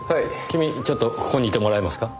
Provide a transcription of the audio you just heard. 君ちょっとここにいてもらえますか？